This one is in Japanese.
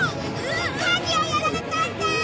舵をやられたんだ！